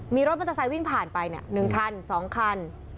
มีรถมันเตอร์ไซต์วิ่งผ่านไปเนี่ย๑คัน๒คัน